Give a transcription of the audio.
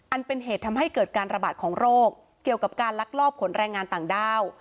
เป็นเหตุทำให้เกิดการระบาดของโรคเกี่ยวกับการลักลอบขนแรงงานต่างด้าว